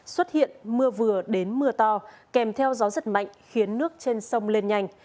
xuất hiện mưa vừa đến mưa to kèm theo gió rất mạnh khiến nước trên sông lên nhanh